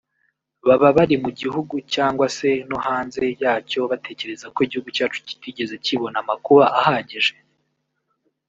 baba abari mu gihugu cyangwase no hanze yacyo batekereza ko igihugu cyacu cyitigeze cyibona amakuba ahagije